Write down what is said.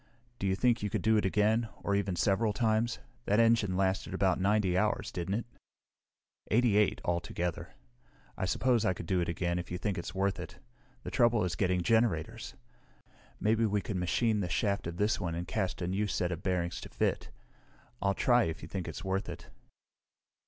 Do you think you could do it again, or even several times? That engine lasted about 90 hours, didn't it?" "Eighty eight, altogether. I suppose I could do it again if you think it's worth it. The trouble is getting generators. Maybe we could machine the shaft of this one and cast a new set of bearings to fit. I'll try if you think it's worth it."